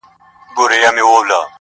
جهاني څه ویل رویبار په ماته، ماته ژبه!!